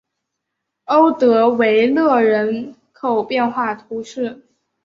欧德维勒人口变化图示